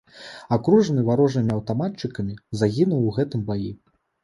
Акружаны варожымі аўтаматчыкамі, загінуў у гэтым баі.